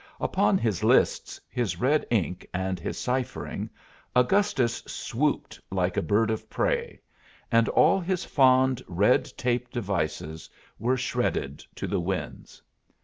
Upon his lists, his red ink, and his ciphering, Augustus swooped like a bird of prey, and all his fond red tape devices were shredded to the winds.